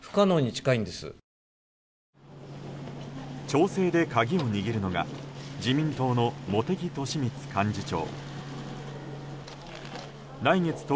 調整で鍵を握るのが自民党の茂木敏充幹事長。